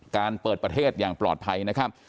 เปิดประเทศอย่างปลอดภัยนะครับ